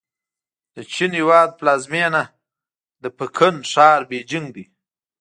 د چین هېواد پلازمېنه د پکن ښار بیجینګ دی.